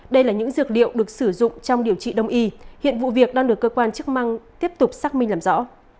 đây là những dược liệu được sử dụng trong điều trị đông y hiện vụ việc đang được cơ quan chức năng tiếp tục xác minh làm rõ